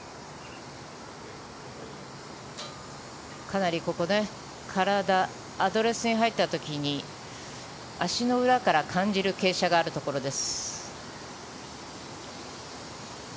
かなりここ体アドレスに入った時に足の裏から感じる傾斜があるところです。